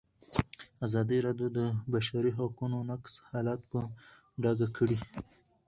ازادي راډیو د د بشري حقونو نقض حالت په ډاګه کړی.